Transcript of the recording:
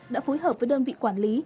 đã phối hợp với đơn vị quản lý